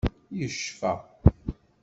Yecfa.